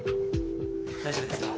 ・大丈夫ですか？